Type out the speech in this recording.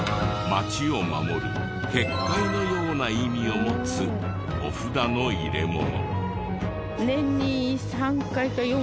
町を守る結界のような意味を持つお札の入れ物。